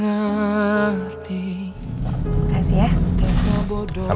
gak jauh ya pak